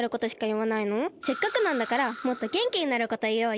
せっかくなんだからもっとげんきになることいおうよ。